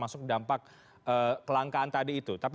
mengurangi dampak yang tadi sudah banyak yang ditemukan ya